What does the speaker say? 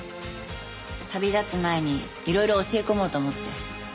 旅立つ前にいろいろ教え込もうと思って。